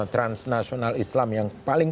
transnasional islam yang paling